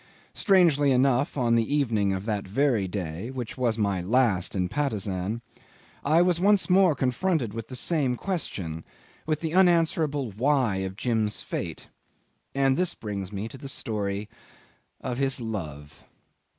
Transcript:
Strangely enough, on the evening of that very day (which was my last in Patusan) I was once more confronted with the same question, with the unanswerable why of Jim's fate. And this brings me to the story of his love.